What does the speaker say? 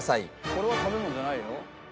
これは食べ物じゃないよ。